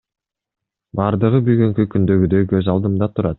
Бардыгы бүгүнкү күндөгүдөй көз алдымда турат.